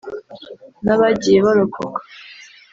n’abagiye barokoka